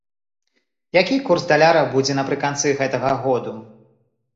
Які курс даляра будзе напрыканцы гэтага году?